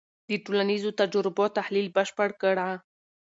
د ټولنیزو تجربو تحلیل بشپړ کړه.